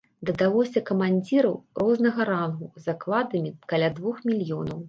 Дадалося камандзіраў рознага рангу з акладамі каля двух мільёнаў.